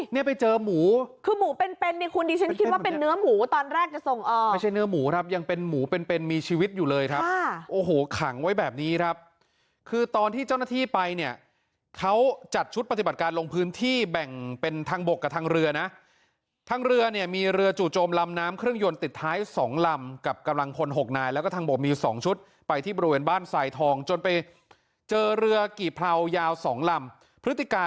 นี่ไปเจอหมูคือหมูเป็นเนี่ยคุณดีฉันคิดว่าเป็นเนื้อหมูตอนแรกจะส่งออกไม่ใช่เนื้อหมูครับยังเป็นหมูเป็นมีชีวิตอยู่เลยครับโอ้โหขังไว้แบบนี้ครับคือตอนที่เจ้าหน้าที่ไปเนี่ยเขาจัดชุดปฏิบัติการลงพื้นที่แบ่งเป็นทางบกกับทางเรือนะทางเรือเนี่ยมีเรือจู่โจมลำน้ำเครื่องยนต์ติดท้าย๒ลำ